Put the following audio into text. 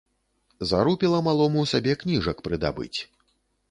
Зарупіла малому сабе кніжак прыдабыць.